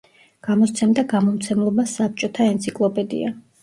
გამოსცემდა გამომცემლობა „საბჭოთა ენციკლოპედია“.